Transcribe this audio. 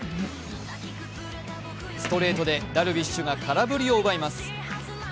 ストレートでダルビッシュが空振りを奪います。